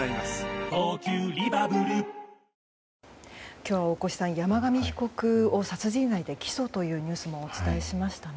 今日は大越さん山上被告を殺人罪で起訴というニュースをお伝えしましたね。